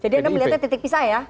jadi anda melihatnya titik pisah ya